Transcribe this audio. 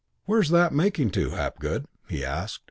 'Where's that making to, Hapgood?' he asked.